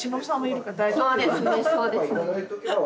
そうですねそうですね。